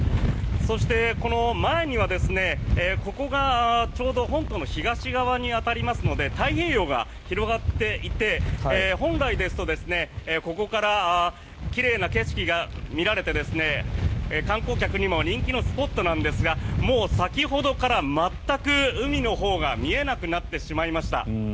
そして、この前にはここがちょうど本島の東側に当たりますので太平洋が広がっていて本来ですとここから奇麗な景色が見られて観光客にも人気のスポットなんですがもう先ほどから全く海のほうが見えなくなってしまいました。